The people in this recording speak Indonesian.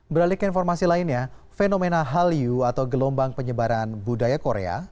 beralik informasi lainnya fenomena hallyu atau gelombang penyebaran budaya korea